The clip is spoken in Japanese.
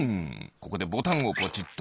ここでボタンをぽちっと。